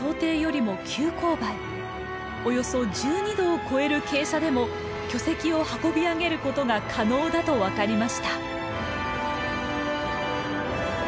およそ１２度を超える傾斜でも巨石を運び上げることが可能だと分かりました。